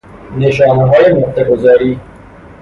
نشانه های نقطه گذاری